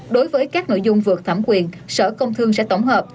đối với các nội dung vượt thẩm quyền sở công thương sẽ tổng hợp